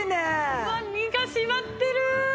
うわっ身が締まってる！